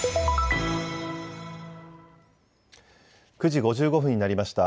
９時５５分になりました。